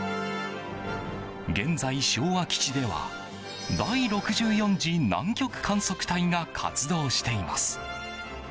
現在、昭和基地では第６４次南極観測隊が活動しています。